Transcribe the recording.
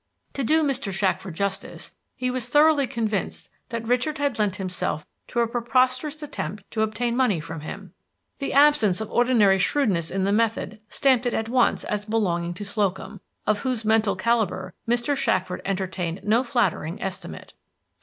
To do Mr. Shackford justice, he was thoroughly convinced that Richard had lent himself to a preposterous attempt to obtain money from him. The absence of ordinary shrewdness in the method stamped it at once as belonging to Slocum, of whose mental calibre Mr. Shackford entertained no flattering estimate.